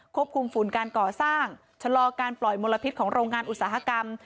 ควบคุมฝุ่นการก่อสร้างชะลอการปล่อยมลพิษของโรงงานอุตสาหกรรม